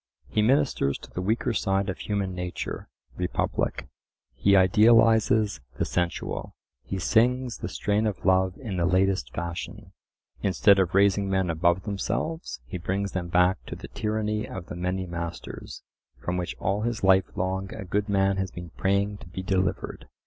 He ministers to the weaker side of human nature (Republic); he idealizes the sensual; he sings the strain of love in the latest fashion; instead of raising men above themselves he brings them back to the "tyranny of the many masters," from which all his life long a good man has been praying to be delivered.